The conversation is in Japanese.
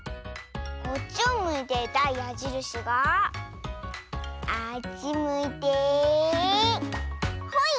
こっちをむいていたやじるしがあっちむいてほい！